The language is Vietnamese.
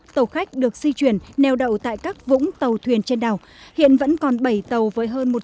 tàu khách được di chuyển neo đậu tại các vũng tàu thuyền trên đảo hiện vẫn còn bảy tàu với hơn